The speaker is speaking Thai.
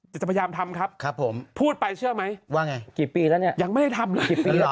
จะพยายามทำครับผมพูดไปเชื่อไหมว่าไงกี่ปีแล้วเนี่ยยังไม่ได้ทำเลยกี่ปีแล้ว